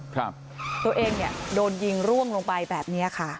ตัวเองเนี่ยโดนยิงร่วงลงไปแบบเนี้ยค่ะ